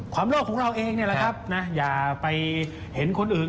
โลกของเราเองนี่แหละครับนะอย่าไปเห็นคนอื่น